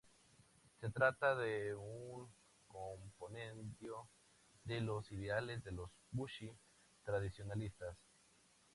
Se trata de un compendio de los ideales de los "bushi" tradicionalistas.